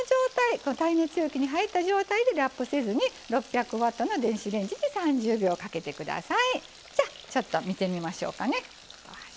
この状態耐熱容器に入った状態で６００ワットの電子レンジで３０秒かけてください。